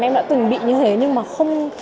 em đã từng bị như thế nhưng mà không